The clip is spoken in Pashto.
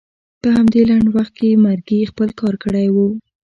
په همدې لنډ وخت کې مرګي خپل کار کړی و.